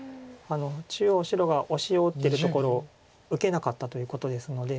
中央白がオシを打ってるところ受けなかったということですので。